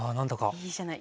いいじゃない。